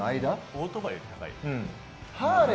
オートバイより高い。